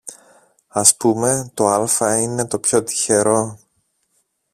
Ας πούμε το άλφα είναι το πιο τυχερό